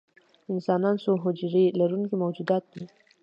انسانان څو حجرې لرونکي موجودات دي